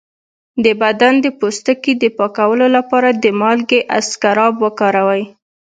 د بدن د پوستکي د پاکولو لپاره د مالګې اسکراب وکاروئ